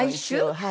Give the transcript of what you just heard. はい。